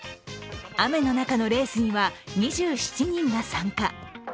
雨の中のレースには２７人が参加。